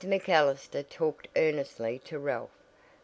MacAllister talked earnestly to Ralph.